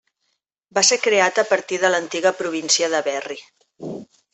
Va ser creat a partir de l'antiga província de Berry.